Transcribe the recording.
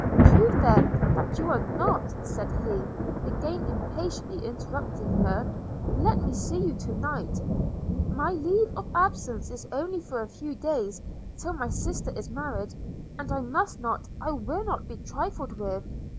– 'Prove then that you are not,' said he, again impatiently interrupting her: 'let me see you to night; my leave of absence is only for a few days, till my sister is married and I must not – I will not be trifled with.'